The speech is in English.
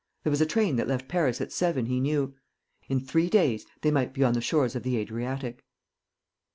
There was a train that left Paris at seven, he knew; in three days they might be on the shores of the Adriatic.